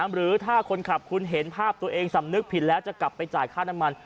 หรือถ้าคนขับคุณเห็นภาพตัวเองสำนึกผิดแล้วจะกลับไปจ่ายค่าน้ำมัน